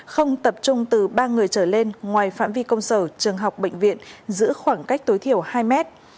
không tập trung từ ba người trở lên ngoài phạm vi công sở trường học bệnh viện giữ khoảng cách tối thiểu hai mét